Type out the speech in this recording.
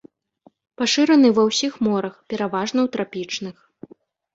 Пашыраны ва ўсіх морах, пераважна ў трапічных.